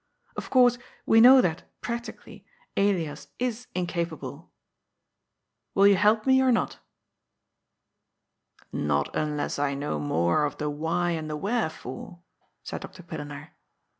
Of course we know that, practically, Elias is incapable. Will you help me, or not?'' " Not unless I know more of the why and the where fore," said Dr. Pillenaar.